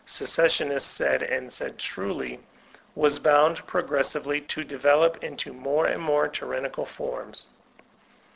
Secession ists said, and said truly, was bound progressively to develop into more and more tyrannical forms.